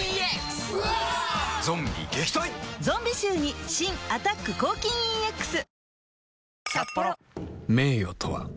ゾンビ臭に新「アタック抗菌 ＥＸ」名誉とは